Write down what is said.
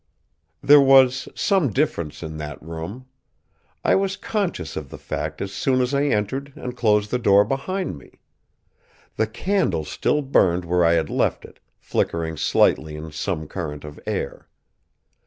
There was some difference in that room. I was conscious of the fact as soon as I entered and closed the door behind me. The candle still burned where I had left it, flickering slightly in some current of air.